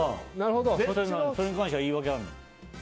それに関しては言い訳あるの？